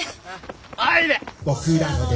おいで！